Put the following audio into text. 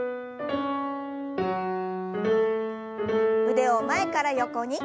腕を前から横に。